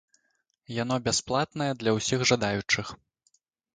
Яно бясплатнае для ўсіх жадаючых.